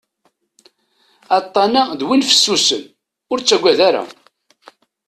Aṭṭan-a d win fessusen, ur ttaggad ara.